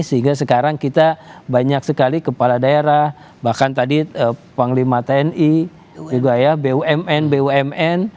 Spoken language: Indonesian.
sehingga sekarang kita banyak sekali kepala daerah bahkan tadi panglima tni bumn bumn